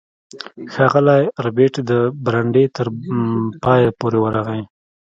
ښاغلی ربیټ د برنډې تر پایه پورې ورغی